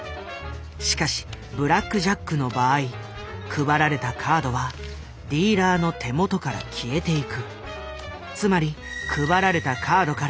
しかしブラックジャックの場合配られたカードはディーラーの手元から消えていく。